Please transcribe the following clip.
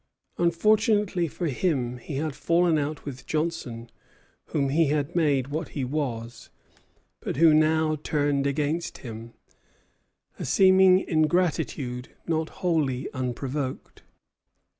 Unfortunately for him, he had fallen out with Johnson, whom he had made what he was, but who now turned against him, a seeming ingratitude not wholly unprovoked.